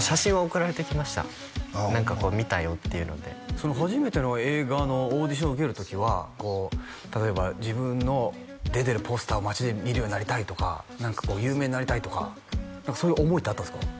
写真は送られてきました何かこう見たよっていうのでその初めての映画のオーディション受ける時はこう例えば自分の出てるポスターを街で見るようになりたいとか何かこう有名になりたいとかそういう思いってあったんですか？